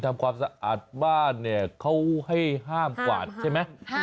ทำความสะอาดบ้านเนี่ยเขาให้ห้ามกวาดใช่ไหม